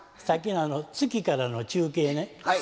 さっきのあの月からの中継ね。